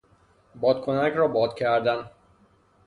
بادکنک را باد کردن